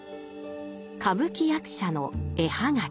歌舞伎役者の絵葉書。